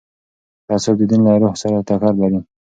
تعصب د دین له روح سره ټکر لري